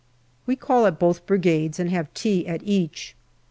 We call at both Brigades, and have tea at each.